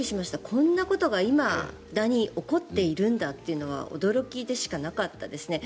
こんなことがいまだに起こっているんだということは驚きでしかなかったですね。